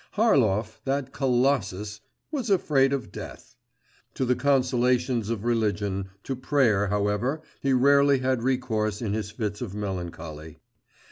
Harlov, that colossus, was afraid of death! To the consolations of religion, to prayer, however, he rarely had recourse in his fits of melancholy.